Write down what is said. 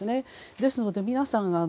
ですので皆さん